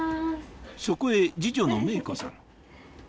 そこへ二女の芽衣子さん